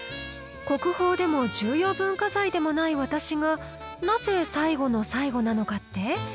国宝でも重要文化財でもない私がなぜ最後の最後なのかって？